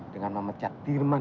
dengan memecat dirman